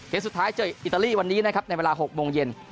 สุดท้ายเจออิตาลีวันนี้นะครับในเวลา๖โมงเย็น